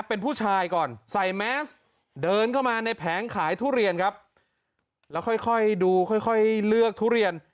เป็นผู้ชายก่อนใส่แมสเดินเข้ามาในแผงขายทุเรียนครับแล้วค่อยดูค่อยเลือกทุเรียน